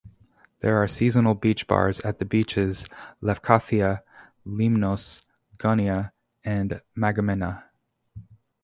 There are seasonal beach-bars at the beaches "Lefkathia", "Limnos", "Gonia" and "Magemena".